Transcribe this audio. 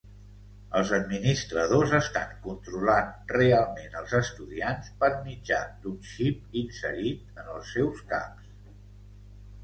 Els administradors estan controlant realment els estudiants per mitjà d'un xip inserit en els seus caps.